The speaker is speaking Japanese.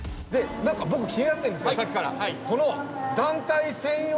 僕気になってるんですけどさっきから。